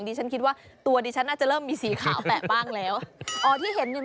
อ๋อที่เห็นไม่ใช่เป็นกักเลือดหรอก